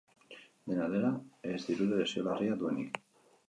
Dena dela, ez dirudi lesio larria duenik.